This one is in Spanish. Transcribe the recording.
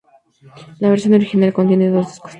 La versión original contiene dos discos.